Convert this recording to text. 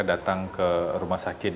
datang ke rumah sakit